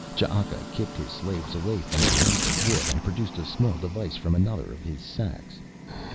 Ch'aka kicked his slaves away from the heap of wood and produced a small device from another of his sacks.